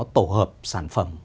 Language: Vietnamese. tổ hợp sản phẩm